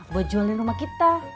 buat jualin rumah kita